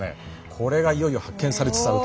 これがいよいよ発見されつつあると。